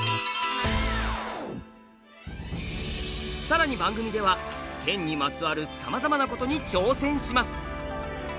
さらに番組では剣にまつわるさまざまなことに挑戦します。